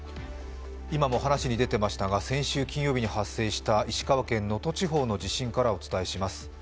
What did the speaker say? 今も話に出ていましたが、先週金曜日に発生した石川県能登地方の地震からお伝えします。